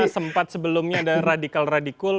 sempat sebelumnya ada radikal radikal